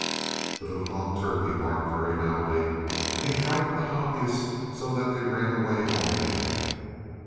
The little dog Turpie barked very loudly, and he frightened the Hobyahs so that they ran away home again.